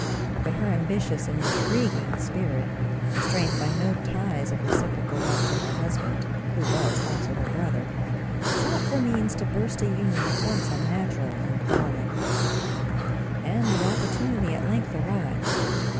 But her ambitious and intriguing spirit, restrained by no ties of reciprocal love to her husband, who was also her brother, sought for means to burst a union at once unnatural and galling: and the opportunity at length arrived.